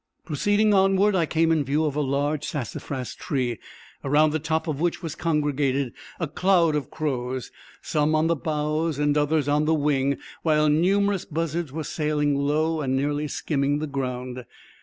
Proceeding onward, I came in view of a large sassafras tree, around the top of which was congregated a cloud of crows, some on the boughs and others on the wing, whilst numerous buzzards were sailing low and nearly skimming the ground.